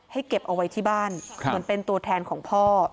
เก็บเอาไว้ที่บ้านเหมือนเป็นตัวแทนของพ่อ